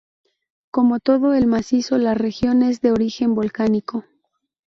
Como todo el macizo, la región es de origen volcánico.